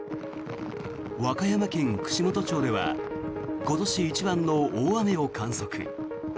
和歌山県串本町では今年一番の大雨を観測。